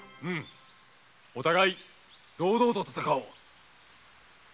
うむお互い堂々と闘おう。